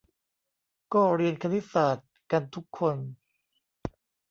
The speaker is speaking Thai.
ก็เรียนคณิตศาสตร์กันทุกคน